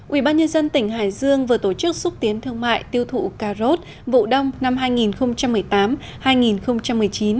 ubnd tỉnh hải dương vừa tổ chức xúc tiến thương mại tiêu thụ cà rốt vụ đông năm hai nghìn một mươi tám hai nghìn một mươi chín